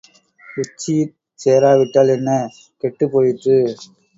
உச்சியிற் சேரா விட்டால் என்ன கெட்டுப்போயிற்று.